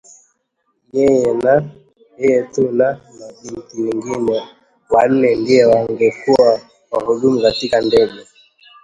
Yeye tu na mabinti wengine wanne ndio wangekuwa wahudumu katika ndege